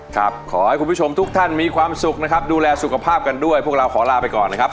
ขอให้คุณผู้ชมทุกท่านมีความสุขนะครับดูแลสุขภาพกันด้วยพวกเราขอลาไปก่อนนะครับ